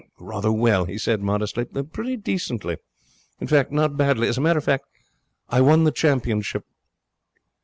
'Rather well,' he said modestly. 'Pretty decently. In fact, not badly. As a matter of fact, I won the championship.'